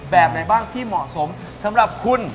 แบบไหนบ้างที่เหมาะสมสำหรับคุณ